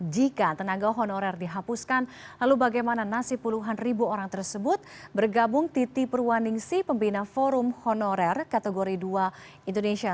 jika tenaga honorer dihapuskan lalu bagaimana nasib puluhan ribu orang tersebut bergabung titi purwaningsi pembina forum honorer kategori dua indonesia